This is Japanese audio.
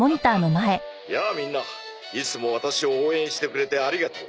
「やあみんないつもワタシを応援してくれてありがとう！」